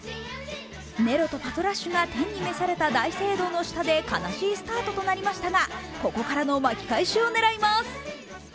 ネロとパトラッシュが天に召された大聖堂の下で悲しいスタートとなりましたがここからの巻き返しを狙います。